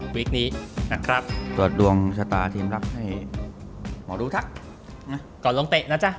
วิกนี้นะครับเปิดดวงชะตาทีมรักให้หมอดูทักก่อนลงเตะนะจ๊ะ